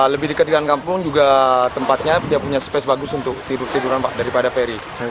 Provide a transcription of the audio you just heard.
lebih dekat dengan kampung juga tempatnya dia punya space bagus untuk tidur tiduran pak daripada peri